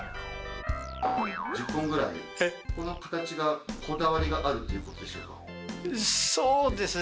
１０本ぐらい、この形がこだわりがあるということでしょうか。